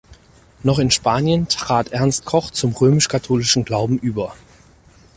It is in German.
Noch in Spanien trat Ernst Koch zum römisch-katholischen Glauben über.